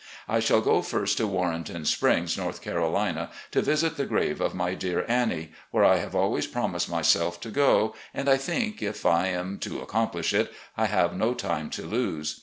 I shall go first to Warrenton Springs, North Carolina, to visit the grave of my dear Annie, where I have always promised myself to go, and I think, if I am to accomplish it, I have no time to lose.